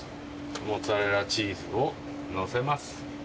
モッツァレラチーズをのせます。